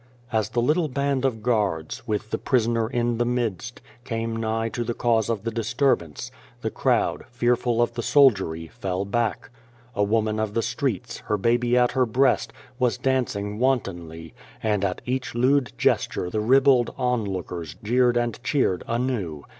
As the little band of guards, with the prisoner in the midst, came nigh to the cause 137 The Face of the disturbance, the crowd, fearful of the soldiery, fell back. A woman of the streets, her baby at her breast, was dancing wantonly, and at each lewd gesture the ribald onlookers jeered and cheered anew.